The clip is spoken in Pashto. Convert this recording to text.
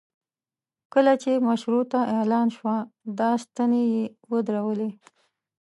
کله چې مشروطه اعلان شوه دا ستنې یې ودرولې.